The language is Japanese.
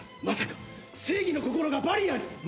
まさか正義の心がバリアーに！？